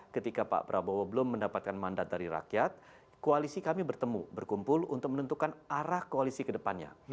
ketika pak prabowo belum mendapatkan mandat dari rakyat koalisi kami bertemu berkumpul untuk menentukan arah koalisi ke depannya